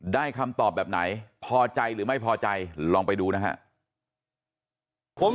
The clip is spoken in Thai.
คำตอบแบบไหนพอใจหรือไม่พอใจลองไปดูนะครับ